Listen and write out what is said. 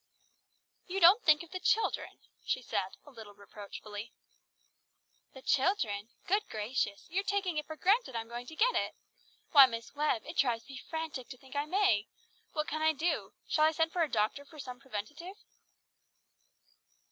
"You don't think of the children," she said a little reproachfully. "The children? Good gracious! You're taking it for granted I am going to get it! Why, Miss Webb, it drives me frantic to think I may! What can I do? Shall I send for a doctor for some preventive?"